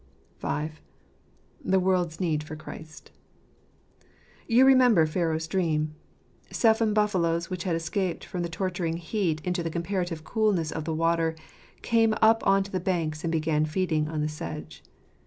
V. The World's Need for Christ. — You remember Pharaoh's dream. Seven buffaloes, which had escaped from the torturing heat into the comparative coolness of the water, came up on to the banks and began feeding on the sedge.